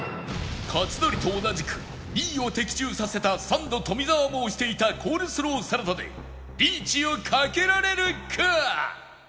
克典と同じく２位を的中させたサンド富澤も推していたコールスローサラダでリーチをかけられるか？